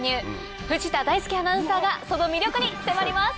藤田大介アナウンサーがその魅力に迫ります。